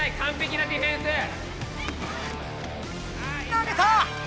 投げた！